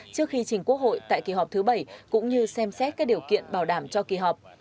trước khi trình quốc hội tại kỳ họp thứ bảy cũng như xem xét các điều kiện bảo đảm cho kỳ họp